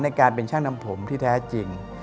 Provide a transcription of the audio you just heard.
ในการเป็นช่างนำผมที่แท้จริง